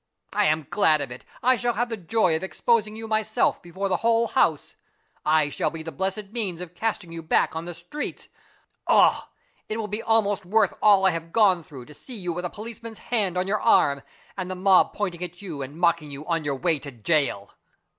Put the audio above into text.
I am glad of it; I shall have the joy of exposing you myself before the whole house. I shall be the blessed means of casting you back on the streets. Oh! it will be almost worth all I have gone through to see you with a policeman's hand on your arm, and the mob pointing at you and mocking you on your way to jail!"